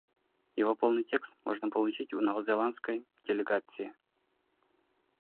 Его полный текст можно получить у новозеландской делегации.